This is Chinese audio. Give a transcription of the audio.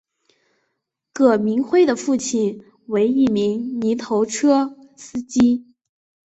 葛民辉的父亲为一名泥头车司机。